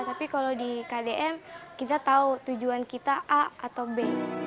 tapi kalau di kdm kita tahu tujuan kita a atau b